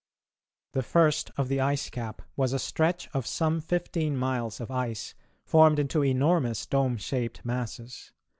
The first of the ice cap was a stretch of some fifteen miles of ice, formed into enormous dome shaped masses.